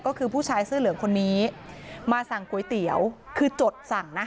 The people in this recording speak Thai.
ก็คือผู้ชายเสื้อเหลืองคนนี้มาสั่งก๋วยเตี๋ยวคือจดสั่งนะ